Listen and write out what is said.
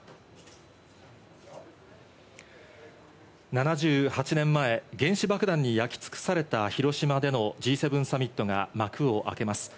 ７８年前、原子爆弾に焼き尽くされた広島でのＧ７サミットが幕を開けます。